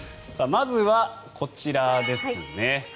まずはこちらですね。